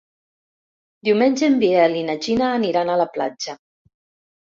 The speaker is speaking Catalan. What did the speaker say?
Diumenge en Biel i na Gina aniran a la platja.